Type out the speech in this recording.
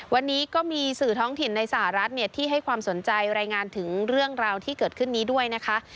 วันนี้ก็มีสื่อท้องถิ่นในสหรัฐที่ให้ความสนใจรายงานถึงเรื่องราวที่เกิดขึ้นนี้ด้วยนะคะ